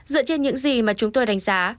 dựa trên những gì mà chúng tôi đánh giá